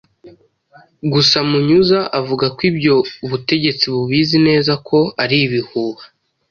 Gusa Munyuza avuga ko ibyo ubutegetsi bubizi neza ko ari ibihuha.